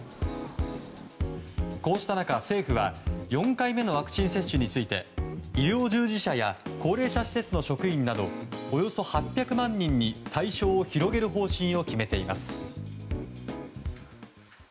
こうした中、政府は４回目のワクチン接種について医療従事者や高齢者施設の職員などおよそ８００万人に対象を広げる方針を決めています。